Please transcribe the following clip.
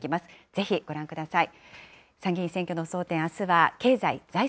ぜひ、ご覧ください。